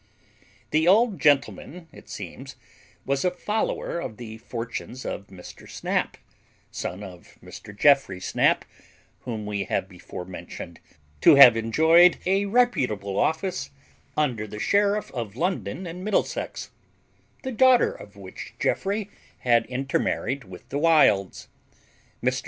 The old gentleman, it seems, was a FOLLOWER of the fortunes of Mr. Snap, son of Mr. Geoffry Snap, whom we have before mentioned to have enjoyed a reputable office under the Sheriff of London and Middlesex, the daughter of which Geoffry had intermarried with the Wilds. Mr.